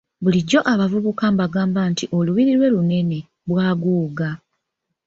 Bulijjo abavubuka mbagamba nti oluubiri lwe lunene, bwaguuga.